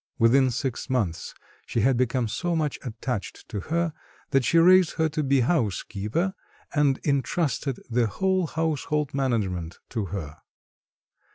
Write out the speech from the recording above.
Within six months she had become so much attached to her that she raised her to be housekeeper, and intrusted the whole household management to her.